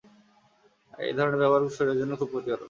এই ধরনের ব্যবহার শরীরের জন্য খুব ক্ষতিকারক।